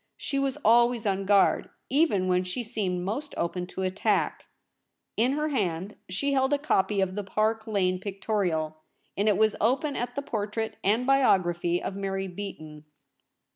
She was always on guard, even when she seemed most open to attack. In her hand she held a copy of the Park Lane Pictorial, and it was open at the por trait and bio.i^raphy of Mary Beaton.